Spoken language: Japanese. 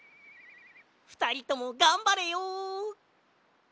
ふたりともがんばれよ。